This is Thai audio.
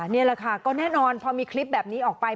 นี่แหละค่ะก็แน่นอนพอมีคลิปแบบนี้ออกไป